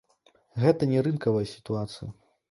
Гэта не рынкавая сітуацыя.